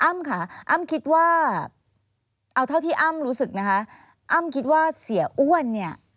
ค่ะอ้ำคิดว่าเอาเท่าที่อ้ำรู้สึกนะคะอ้ำคิดว่าเสียอ้วนเนี่ย